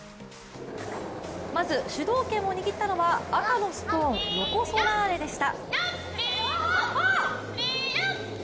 まず主導権を握ったのは赤のストーン、ロコ・ソラーレでした。